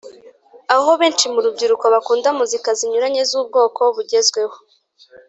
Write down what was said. aho benshi mu rubyiruko bakunda Muzika zinyuranye z'ubwoko bugezweho